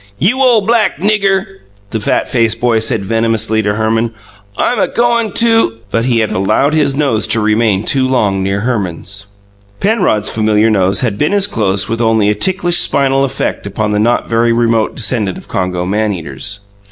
"You ole black nigger," the fat faced boy said venomously to Herman, "I'm agoin' to " But he had allowed his nose to remain too long near Herman's. Penrod's familiar nose had been as close with only a ticklish spinal effect upon the not very remote descendant of Congo man eaters.